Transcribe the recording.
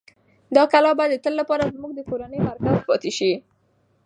دا کلا به د تل لپاره زموږ د کورنۍ مرکز پاتې شي.